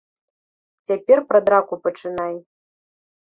Цяпер пра драку пачынай.